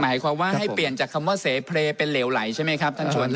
หมายความว่าให้เปลี่ยนจากคำว่าเสเพลย์เป็นเหลวไหลใช่ไหมครับท่านชวน